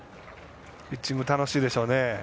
ピッチング楽しいでしょうね。